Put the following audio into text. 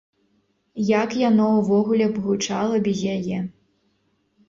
Як яно ўвогуле б гучала без яе!